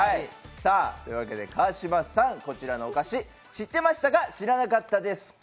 川島さん、こちらのお菓子知ってましたか知らなかったですか？